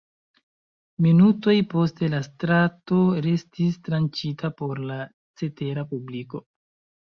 Minutoj poste la strato restis tranĉita por la cetera publiko.